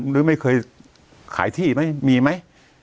หรือไม่เคยขายที่ไหมมีไหม